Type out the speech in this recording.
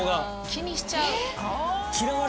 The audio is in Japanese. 気にしちゃう？